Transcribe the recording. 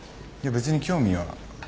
別に興味は。